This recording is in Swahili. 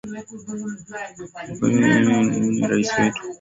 Nampongeza Dokta Hussein Ali Mwinyi Rais wetu